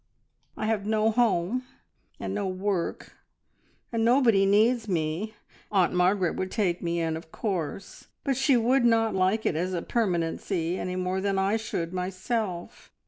I have no home, and no work, and nobody needs me. Aunt Margaret would take me in, of course, but she would not like it as a permanency any more than I should myself.